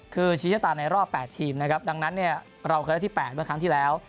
คือชี้ชะตาในรอบ๘ทีมนะครับดังนั้นเนี่ยเราเคยได้ที่๘เมื่อครั้งที่แล้ว